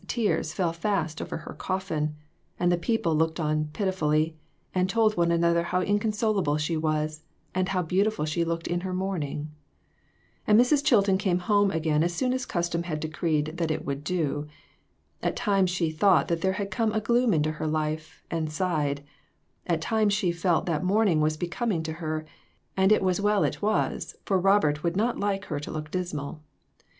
359 tears fell fast over her coffin ; and the people looked on pitifully, and told one another how inconsolable she was, and how beautiful she looked in her mourning. And Mrs. Chilton came home again as soon as custom had decreed that it would do. At times she thought that there had come a gloom into her life, and sighed; at times she felt that mourning was becoming to her, and it was well it was, for Robert would not like her to look dismal.